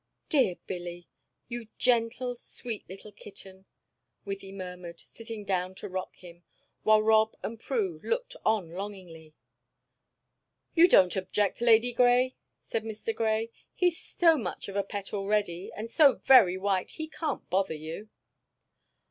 "Dear Billy, you gentle, sweet, little kitten," Wythie murmured, sitting down to rock him, while Rob and Prue looked on longingly. "You don't object, Lady Grey?" said Mr. Grey. "He's so much of a pet already, and so very white, he can't bother you."